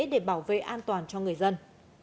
để bảo vệ an toàn cho người dân